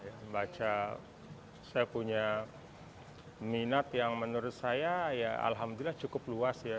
saya baca saya punya minat yang menurut saya ya alhamdulillah cukup luas ya